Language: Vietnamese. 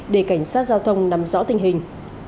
để cảnh sát giao thông nắm rõ tình hình